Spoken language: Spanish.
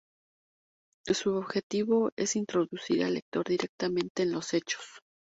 Su objetivo es introducir al lector directamente en los hechos.